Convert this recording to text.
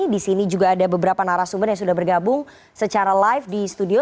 di sini juga ada beberapa narasumber yang sudah bergabung secara live di studio